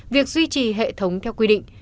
việc duy trì hệ thống theo quy định